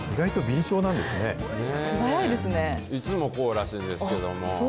いつもこうらしいんですけれども。